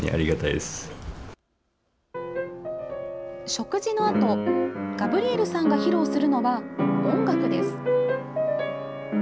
食事のあとガブリエルさんが披露するのは音楽です。